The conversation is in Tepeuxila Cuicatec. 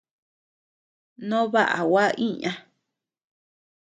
No baʼa gua iña.